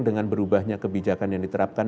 dengan berubahnya kebijakan yang diterapkan